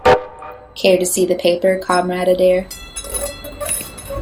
Care to see the paper, Comrade Adair?